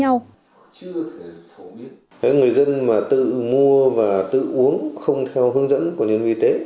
những người dân mà tự mua và tự uống không theo hướng dẫn của nhân viên y tế